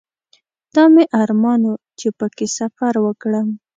دا مې ارمان و چې په کې سفر وکړم.